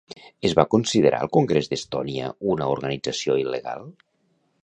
Es va considerar el Congrés d'Estònia una organització il·legal?